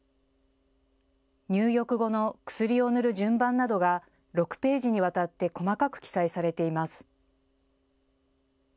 入浴後の薬を塗る順番などが６ページにわたって細かく記載されています。